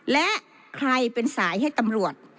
และใครเป็นสายให้ตำรวจ